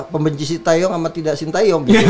pembenci sita yong sama tidak sinta yong